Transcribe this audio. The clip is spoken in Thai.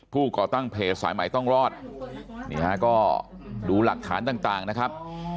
ก่อตั้งเพจสายใหม่ต้องรอดนี่ฮะก็ดูหลักฐานต่างนะครับ